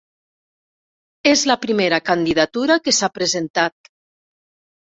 És la primera candidatura que s'ha presentat